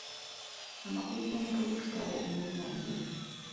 Amakulu g’omutwe gw'ekitabo omulungi.